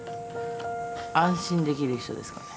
安心できる人ですかね。